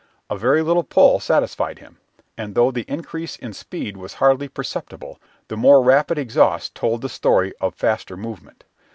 A very little pull satisfied him, and though the increase in speed was hardly perceptible, the more rapid exhaust told the story of faster movement.